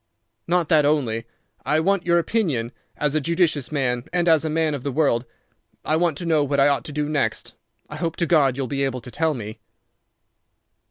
"Not that only. I want your opinion as a judicious man—as a man of the world. I want to know what I ought to do next. I hope to God you'll be able to tell me."